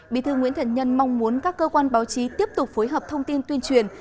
bí thư nguyễn thiện nhân mong muốn các cơ quan báo chí tiếp tục phối hợp thông tin tuyên truyền